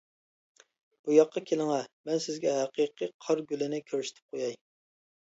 -بۇياققا كېلىڭە، مەن سىزگە ھەقىقىي قار گۈلىنى كۆرسىتىپ قوياي.